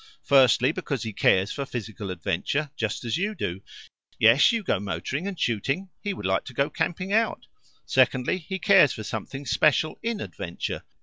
Firstly, because he cares for physical adventure, just as you do. Yes, you go motoring and shooting; he would like to go camping out. Secondly, he cares for something special IN adventure.